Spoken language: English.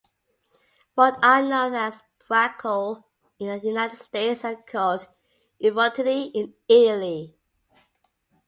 What are known as "braciole" in the United States are called "involtini" in Italy.